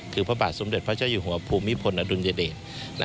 คือพระบาทสมเด็จพระเจ้าอยู่หัวภูมิพลอดุลยเดช